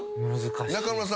中村さん